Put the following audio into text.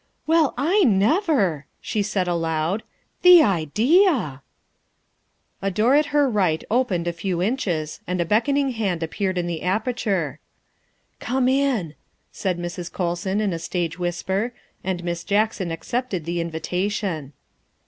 " Well, I never!" she said aloud; " the idea!" A door at her right opened a few inches and a beckon ing hand appeared in the aperture. " Come in," said Mrs. Colson in a stage whisper, and Miss Jackson accepted the invitation.